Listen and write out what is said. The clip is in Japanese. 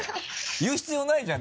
言う必要ないじゃん！